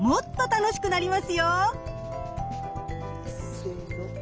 せの！